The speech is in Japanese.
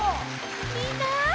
みんな。